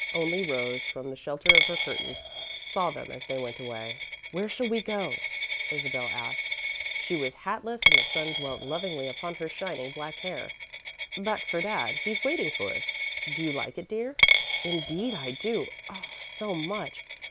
Only Rose, from the shelter of her curtains, saw them as they went away. "Where shall we go?" Isabel asked. She was hatless and the sun dwelt lovingly upon her shining black hair. "Back for Dad. He's waiting for us. Do you like it, dear?" "Indeed I do. Oh, so much!